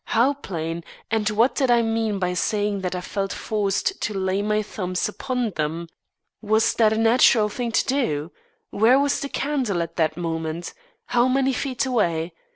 How plain; and what did I mean by saying that I felt forced to lay my thumbs upon them? Was that a natural thing to do? Where was the candle at that moment? How many feet away?